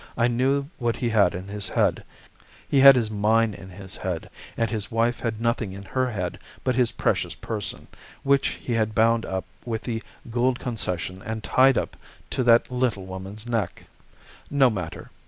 I knew what he had in his head; he has his mine in his head; and his wife had nothing in her head but his precious person, which he has bound up with the Gould Concession and tied up to that little woman's neck. No matter.